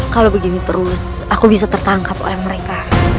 kalau begini terus aku bisa tertangkap oleh mereka